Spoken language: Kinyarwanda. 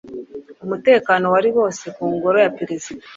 Umutekano wari wose ku ngoro ya Perezida